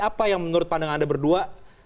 apa yang menurut pandangan anda berdua